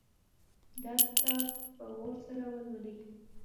دا کتاب په غور سره ولولئ